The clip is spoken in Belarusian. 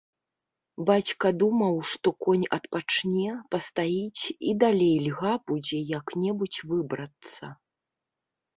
Бацька думаў, што конь адпачне, пастаіць і далей льга будзе як-небудзь выбрацца.